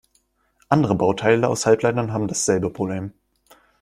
Andere Bauteile aus Halbleitern haben dasselbe Problem.